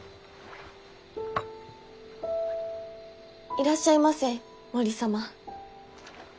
いらっしゃいませ森様。